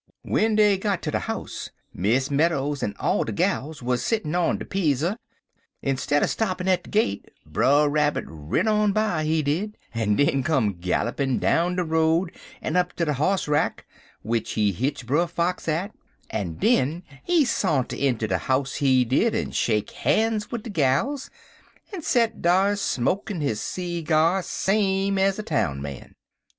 W'en dey got ter de house, Miss Meadows en all de gals wuz settin' on de peazzer, en stidder stoppin' at de gate, Brer Rabbit rid on by, he did, en den come gallopin' down de road en up ter de hoss rack, w'ich he hitch Brer Fox at, en den he santer inter de house, he did, en shake han's wid de gals, en set dar, smokin' his seegyar same ez a town man.